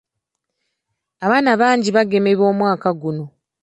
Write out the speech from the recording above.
Abaana bangi baagemebwa omwaka guno.